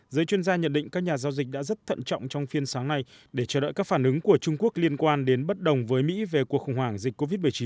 động thái của trung quốc liên quan đến bất đồng với mỹ về cuộc khủng hoảng dịch covid một mươi chín